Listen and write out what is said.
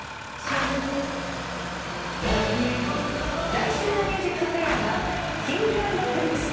来週の『ＭＵＳＩＣＦＡＩＲ』はＫｉｎｇ＆Ｐｒｉｎｃｅ。